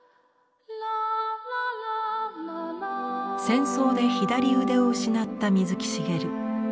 戦争で左腕を失った水木しげる。